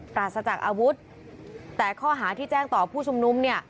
ปราศจากอาวุธแต่ข้อหาที่แจ้งต่อผู้ชุมนุมเนี่ย